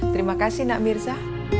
terima kasih nak mirza